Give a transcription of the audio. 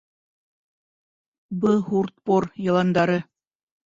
— «Бһуртпор яландары»...